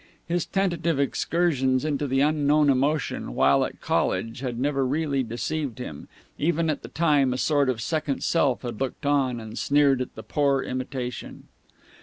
His tentative excursions into the unknown emotion, while at college, had never really deceived him; even at the time a sort of second self had looked on and sneered at the poor imitation.